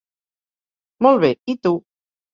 “Molt bé, i tu?